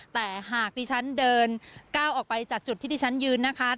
แต่หากดิฉันเดินก้าวออกไปจากจุดที่ที่ฉันยืนนะคะ